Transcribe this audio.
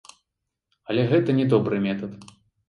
Але гэта не добры метад.